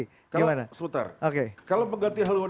sebentar oke kalau mengganti haluan